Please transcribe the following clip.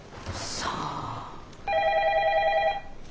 さあ。